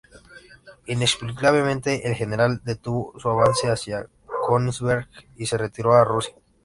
Inexplicablemente, el general detuvo su avance hacia Königsberg y se retiró a Rusia.